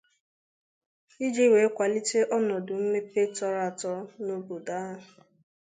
iji wee kwàlite ọnọdụ mmepe tọrọ àtọ n'obodo ahụ.